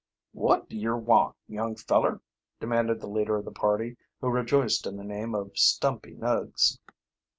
"What do yer want, young feller?" demanded the leader of the party, who rejoiced in the name of Stumpy Nuggs.